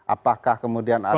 apakah kemudian ada ketakutan